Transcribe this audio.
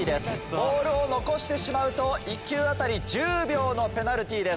ボールを残してしまうと１球あたり１０秒のペナルティーです。